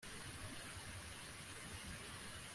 mushikiwabo yipimishije amaraso asanga ntakibazo afite